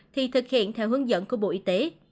thì thực hiện theo hướng dẫn của bộ y tế